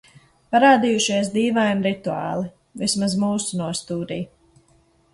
Parādījušies dīvaini rituāli. Vismaz mūsu nostūrī.